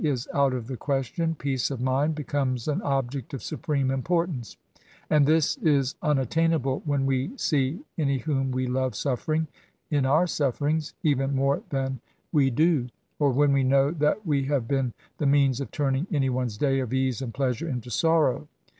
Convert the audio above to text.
is out of the question, peace of mind becomes an object of supreme importance; and this is unattainable when we see any whom we love suffering, in our sufferings, even more than we 32 BSSATS. do: or when we know that we have Been the means of turning any one's day of ease and plea sure into sorrow.